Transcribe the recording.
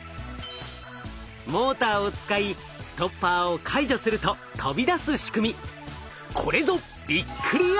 モーターを使いストッパーを解除すると飛び出す仕組み。